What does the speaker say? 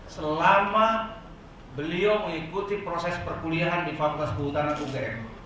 selama beliau mengikuti proses perkuliahan di fakultas buhutana kugem